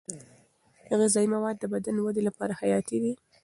غذايي مواد د بدن ودې لپاره حیاتي دي.